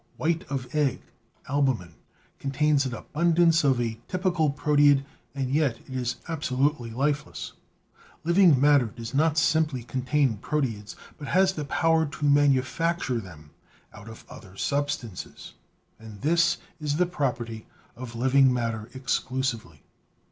White of egg (albumen) contains an abundance of a typical proteid and yet is abso lutely lifeless. Living matter does not simply contain pro teids, but has the power to manufacture them out of other substances; and this is a property of living matter exclu sively.